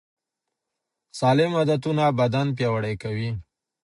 سالم عادتونه بدن پیاوړی کوي.